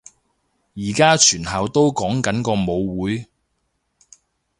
而家全校都講緊個舞會